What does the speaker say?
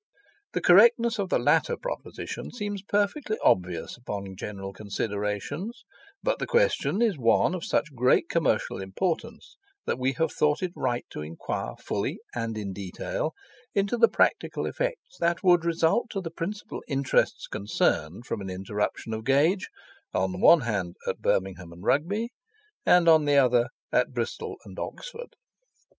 The correctness of the latter proposition seems perfectly obvious upon general considerations; but the question is one of such great commercial importance, that we have thought it right to inquire fully and in detail into the practical effects that would result to the principal interests concerned from an interruption of the gauge, on the one hand, at Birmingham and Rugby, and on the other at Bristol and Oxford.